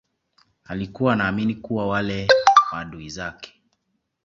alikuwa anaamini kuwa wale maadui zake